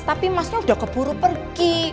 tapi masnya udah keburu pergi